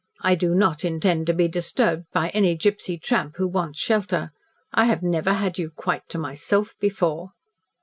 I do not intend to be disturbed by any gipsy tramp who wants shelter. I have never had you quite to myself before."